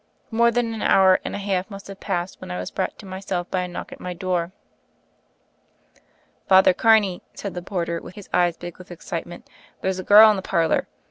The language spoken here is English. More than an hour and a half must have passed, when I was brought to myself by a knock at my door. "Father Carney," said the porter, his eyes big with excitement, "there's a girl in the par lor.